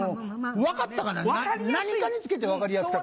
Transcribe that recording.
分かったからね何かにつけて分かりやすかった。